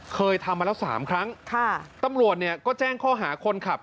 เคยทำมาแล้ว๓ครั้งตำรวจก็แจ้งข้อหาคนขับ